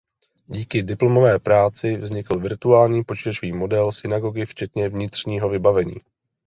Díky diplomové práci vznikl virtuální počítačový model synagogy včetně vnitřního vybavení.